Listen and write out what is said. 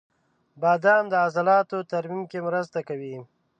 • بادام د عضلاتو ترمیم کې مرسته کوي.